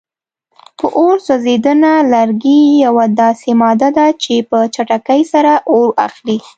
په اور سوځېدنه: لرګي یوه داسې ماده ده چې په چټکۍ سره اور اخلي.